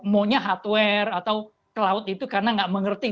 mau hardware atau cloud itu karena tidak mengerti